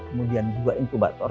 kemudian dua inkubator